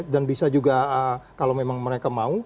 bisa juga kalau memang mereka mau